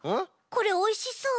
これおいしそう。